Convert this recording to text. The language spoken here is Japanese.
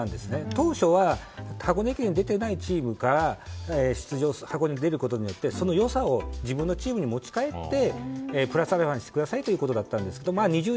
当初は箱根駅伝に出ていないチームから箱根に出ることで、その良さを自分のチームに持ち帰りプラスアルファにしてくださいということだったんです。